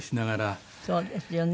そうですよね。